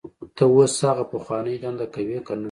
ته اوس هم هغه پخوانۍ دنده کوې کنه